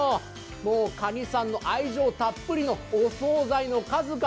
もう蠏さんの愛情たっぷりのお総菜の数々。